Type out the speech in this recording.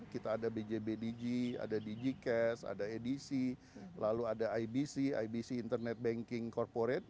kita ada bjb digi ada dg cash ada edisi lalu ada ibc ibc internet banking corporate